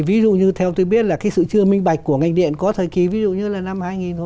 ví dụ như là năm hai nghìn một mươi tám